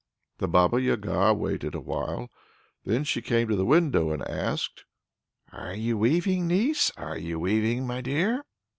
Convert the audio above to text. The Baba Yaga waited awhile; then she came to the window and asked: "Are you weaving, niece? are you weaving, my dear?"